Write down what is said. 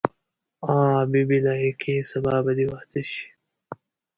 آ بي بي لایقې سبا به دې واده شي.